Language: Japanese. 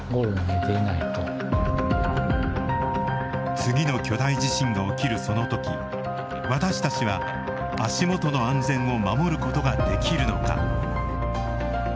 次の巨大地震が起きるその時、私たちは足元の安全を守ることができるのか。